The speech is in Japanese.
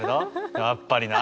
やっぱりな！